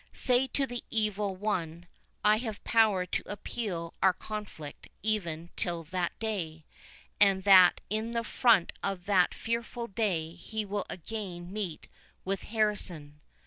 Say to the Evil One, I have power to appeal our conflict even till that day, and that in the front of that fearful day he will again meet with Harrison.